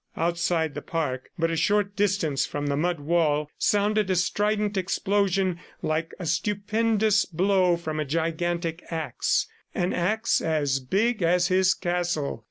Outside the park, but a short distance from the mud wall, sounded a strident explosion like a stupendous blow from a gigantic axe an axe as big as his castle.